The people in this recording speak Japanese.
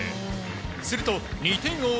すると、２点を追う